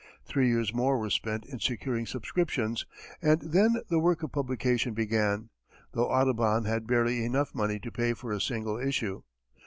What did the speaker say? Three years more were spent in securing subscriptions, and then the work of publication began, though Audubon had barely enough money to pay for a single issue.